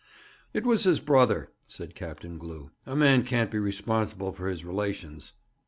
'It was his brother,' said Captain Glew. 'A man can't be responsible for his relations.'